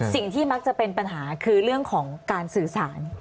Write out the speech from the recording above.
สิ่งที่มักจะเป็นปัญหาคือเรื่องของการสื่อสาร